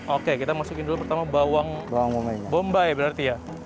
oke kita masukkan dulu pertama bawang bombay berarti ya